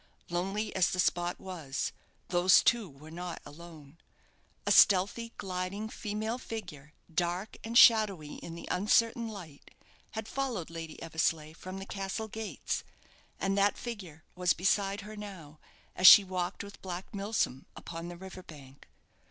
Lonely as the spot was, those two were not alone. A stealthy, gliding, female figure, dark and shadowy in the uncertain light, had followed Lady Eversleigh from the castle gates, and that figure was beside her now, as she walked with Black Milsom upon the river bank.